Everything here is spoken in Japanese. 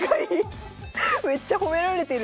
めっちゃ褒められてる！